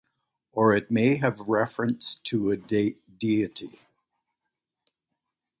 Or it may have reference to a deity.